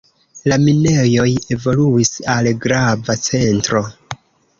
La minejoj evoluis al grava centro.